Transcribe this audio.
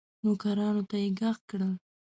نوکرانو ته یې ږغ کړل